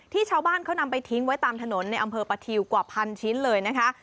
ชาวบ้านเขานำไปทิ้งไว้ตามถนนในอำเภอประทิวกว่าพันชิ้นเลยนะคะ